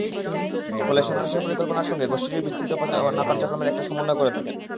ফলে সন্ত্রাসের পরিকল্পনার সঙ্গে গোষ্ঠীটির বিস্তৃত প্রচারণা কার্যক্রমের একটা সমন্বয় করে থাকেন।